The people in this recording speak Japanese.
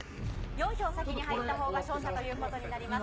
４票先に入ったほうが勝者ということになります。